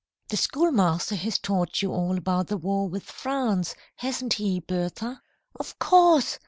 "The schoolmaster has taught you all about the war with France, hasn't he, Bertha?" "Of course.